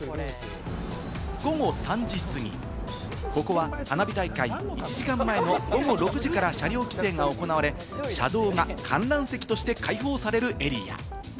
午後３時過ぎ、ここは花火大会１時間前の午後６時から車両規制が行われ、車道が観覧席として開放されるエリア。